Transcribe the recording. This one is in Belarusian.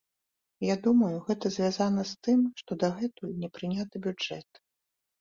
Я думаю, гэта звязана з тым, што дагэтуль не прыняты бюджэт.